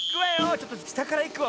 ちょっとしたからいくわ。